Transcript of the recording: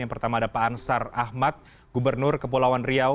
yang pertama ada pak ansar ahmad gubernur kepulauan riau